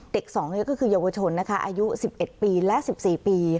เด็กสองเนี่ยก็คือเยาวชนนะคะอายุสิบเอ็ดปีและสิบสี่ปี